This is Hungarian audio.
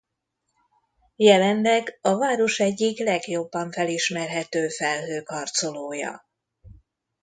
Jelenleg a város egyik legjobban felismerhető felhőkarcolója.